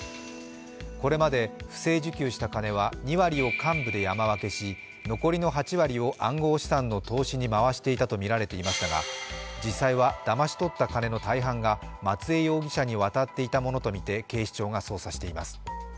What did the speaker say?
これまで不正受給した金は２割を幹部で山分けし残りの８割を暗号資産の投資に回していたとみられていましたが実際は、だまし取った金の大半が松江容疑者に渡っていたものとみて警視庁が捜査しています。